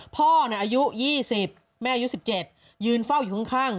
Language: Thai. พ่ออายุ๒๐แม่อายุ๑๗ยืนเฝ้าอยู่ข้าง